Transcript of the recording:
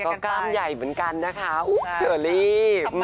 แต่ก็กล้ามใหญ่เหมือนกันนะคะโอ๊ยเฉินลีบ